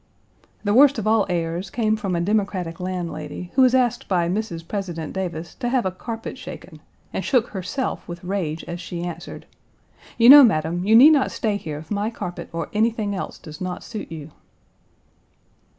The worst of all airs came from a democratic landlady, who was asked by Mrs. President Davis to have a carpet shaken, and shook herself with rage as she answered, "You know, madam, you need not stay here if my carpet or anything else does not suit you."